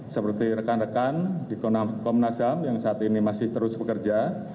seperti rekan rekan di komnas ham yang saat ini masih terus bekerja